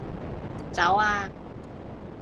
走啊